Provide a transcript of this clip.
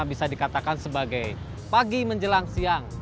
bisa dikatakan sebagai pagi menjelang siang